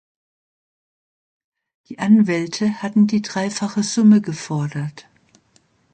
Die Anwälte hatten die dreifache Summe gefordert.